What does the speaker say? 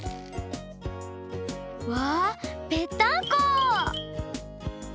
うわぺったんこ！